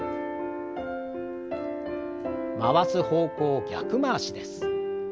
回す方向を逆回しです。